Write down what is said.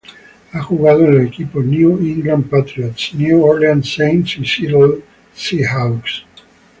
Ha jugado en los equipos New England Patriots, New Orleans Saints y Seattle Seahawks.